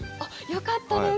よかったです。